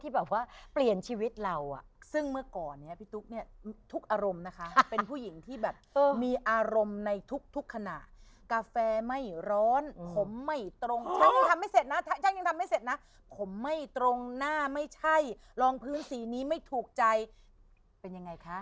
ผมไม่ตรงฉันยังทำไม่เสร็จนะฉันยังทำไม่เสร็จนะผมไม่ตรงหน้าไม่ใช่รองพื้นสีนี้ไม่ถูกใจเป็นยังไงคะ